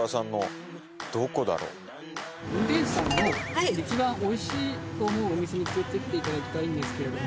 運転手さんの一番おいしいと思うお店に連れていっていただきたいんですけれども。